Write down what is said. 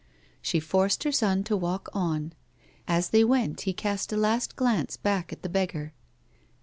She forced her son to walk on. As they went he cast a last glance back at the beggar.